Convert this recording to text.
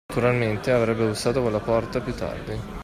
Naturalmente, avrebbe bussato a quella porta, più tardi.